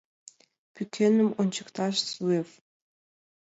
— Пӱкеным ончыкташ Зуев.